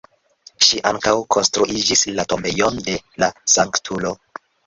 Ŝi ankaŭ konstruigis la tombejon de la sanktulo.